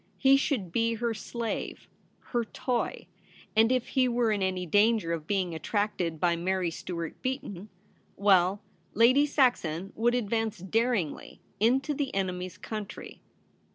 He should be her slave, her toy ; and if he were in any danger of being attracted by Mary Stuart Beaton — well, Lady Saxon would advance daringly into the enemy's country.